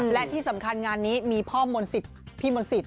และที่สำคัญงานนี้มีพ่อมนศิษย์พี่มนศิษย